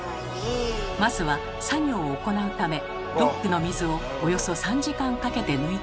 まずは作業を行うためドックの水をおよそ３時間かけて抜いていきます。